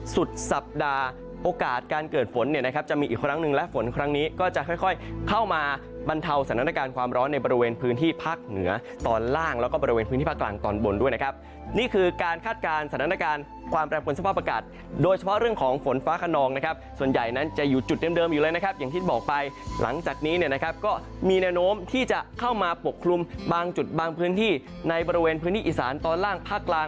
สถานการณ์ความร้อนในบริเวณพื้นที่ภาคเหนือตอนล่างแล้วก็บริเวณพื้นที่ภาคกลางตอนบนด้วยนะครับนี่คือการคาดการณ์สถานการณ์ความแปรบควรสภาพประกัดโดยเฉพาะเรื่องของฝนฟ้าขนองนะครับส่วนใหญ่นั้นจะอยู่จุดเดิมเดิมอยู่เลยนะครับอย่างที่บอกไปหลังจากนี้เนี่ยนะครับก็มีแนะนมที่จะเข้ามาปกครุมบางจุดบาง